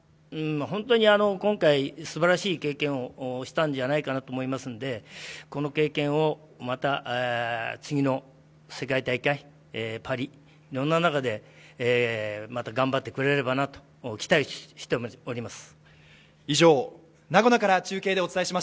本当に今回、すばらしい経験をしたんじゃないかなと思いますので、この経験をまた次の世界大会パリ、いろんな中でまた、頑張ってくれればなと期待しております。